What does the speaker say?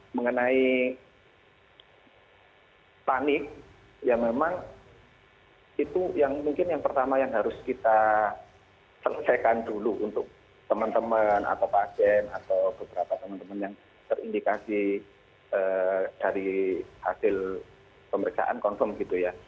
mengenai panik ya memang itu yang mungkin yang pertama yang harus kita selesaikan dulu untuk teman teman atau pasien atau beberapa teman teman yang terindikasi dari hasil pemeriksaan confirm gitu ya